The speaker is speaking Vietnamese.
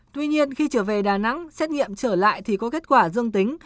tuy nhiên khi trở về đà nẵng xét nghiệm trở lại thì có kết quả dương tính